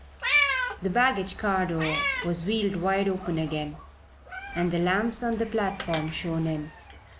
The baggage car door was wheeled wide open again and the lamps on the platform shone in.